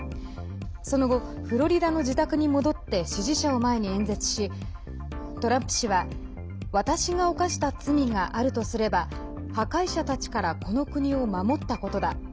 その後、フロリダの自宅に戻って支持者を前に演説しトランプ氏は私が犯した罪があるとすれば破壊者たちからこの国を守ったことだ。